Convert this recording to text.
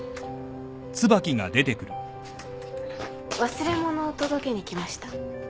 忘れ物を届けに来ました。